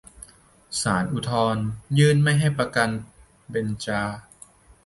ศาลอุทธรณ์ยืนไม่ให้ประกัน 'เบนจา'